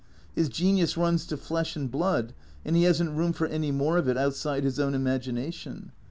His genius runs to flesh and blood, and he has n't room for any more of it outside his own imagination.